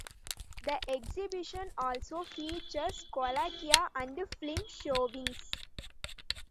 The exhibition also features colloquia and film showings.